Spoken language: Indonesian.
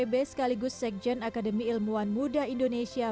pbb sekaligus sekjen akademi ilmuwan muda indonesia